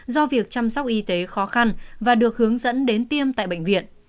do việc chăm sóc y tế khó khăn và được hướng dẫn đến tiêm tại bệnh viện